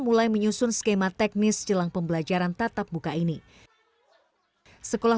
mulai menyusun skema teknis jelang pembelajaran tatap muka ini sekolah